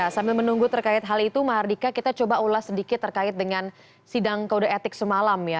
sambil menunggu terkait hal itu mahardika kita coba ulas sedikit terkait dengan sidang kode etik semalam ya